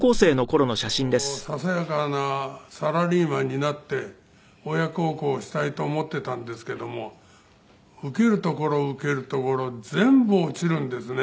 ささやかなサラリーマンになって親孝行したいと思っていたんですけども受けるところ受けるところ全部落ちるんですね。